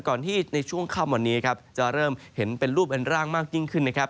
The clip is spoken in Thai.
ก่อนที่ในช่วงค่ำวันนี้ครับจะเริ่มเห็นเป็นรูปเป็นร่างมากยิ่งขึ้นนะครับ